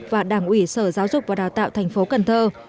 và đảng ủy sở giáo dục và đào tạo thành phố cần thơ